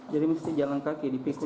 jadi mesti jalan kaki dipikul